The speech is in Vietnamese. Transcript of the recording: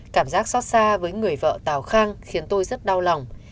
cảm giác xót xa với người vợ tàu khang khiến tôi rất đau lòng